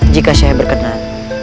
jika sheikh berkenan